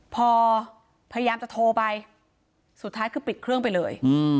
พอพยายามจะโทรไปสุดท้ายคือปิดเครื่องไปเลย